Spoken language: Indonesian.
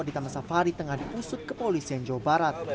di taman safari tengah diusut ke polisi jawa barat